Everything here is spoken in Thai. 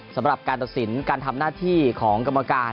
สำหรับการตัดสินการทำหน้าที่ของกรรมการ